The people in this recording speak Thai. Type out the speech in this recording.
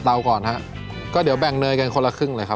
อย่างนั้นเดี๋ยวเริ่มเลยตอนแรกอันดับหนึ่งคือ